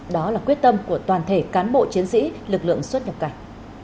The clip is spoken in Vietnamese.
đó là quyết tâm của toàn thể cán bộ chiến sĩ lực lượng xuất nhập cảnh